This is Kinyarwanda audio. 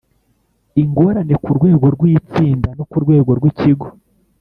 ingorane ku rwego rw itsinda no ku rwego rw ikigo